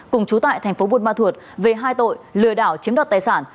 cùng chú tại tp buôn ma thuột về hai tội lừa đảo chiếm đọt tài sản